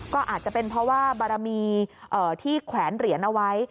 ก็อาจจะเป็นเพราะว่าบารมีที่แขวนเหรียญเอาไว้